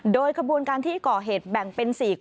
โดยขบวนการที่ก่อเหตุแบ่งเป็น๔กลุ่มหลัก